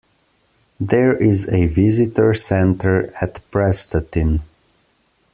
There is a visitor centre at Prestatyn.